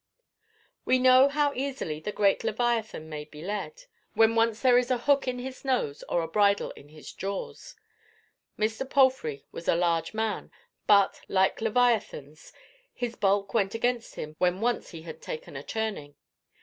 We know how easily the great Leviathan may be led, when once there is a hook in his nose or a bridle in his jaws. Mr. Palfrey was a large man, but, like Leviathan's, his bulk went against him when once he had taken a turning.